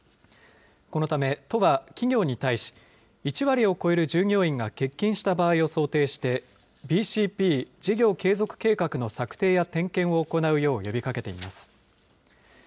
このため、都は企業に対し、１割を超える従業員が欠勤した場合を想定して、ＢＣＰ・事業継続計画の策定や点検を行うよう呼びかけています。